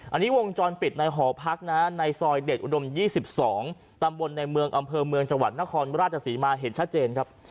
อันนี้วงจรปิดในหอพักนะในซอยเดชอุดม๒๒ตำบลในเมืองอำเภอเมืองจังหวัดนครราชศรีมาเห็นชัดเจนครับ